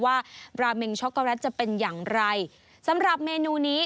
ว่าบราเมงช็อกโกแลตจะเป็นอย่างไรสำหรับเมนูนี้